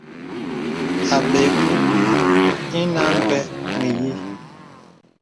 Àbɛ̄ɛ̄ kùù inə a mbè mə̀yīī.